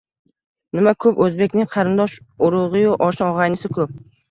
Nima ko‘p, o‘zbekning qarindosh-urug‘iyu oshna-og‘aynisi ko‘p.